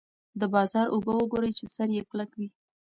د بازار اوبه وګورئ چې سر یې کلک وي.